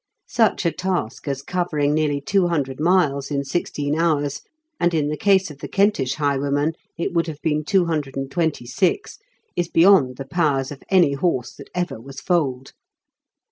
Such a task as covering nearly two hundred miles in sixteen hours (and in the case of the Kentish highwayman it would have been two hundred and twenty six) is beyond the powers of any horse that ever was foaled.